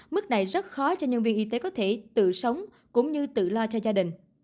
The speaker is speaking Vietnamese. mức này rất khó cho nhân viên y tế có thể tự sống cũng như tự lo cho gia đình